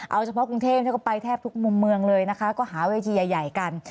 เอาเฉพาะกรุงเทพก็ไปแทบทุกมุมเมืองเลยนะคะก็หาเวทีใหญ่กัน